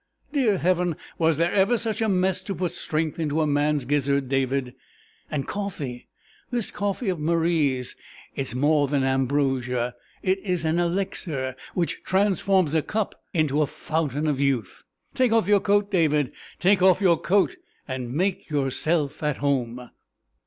"Dear Heaven! was there ever such a mess to put strength into a man's gizzard, David? And coffee this coffee of Marie's! It is more than ambrosia. It is an elixir which transforms a cup into a fountain of youth. Take off your coat, David; take off your coat and make yourself at home!"